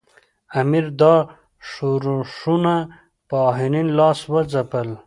امیر دا ښورښونه په آهنین لاس وځپل.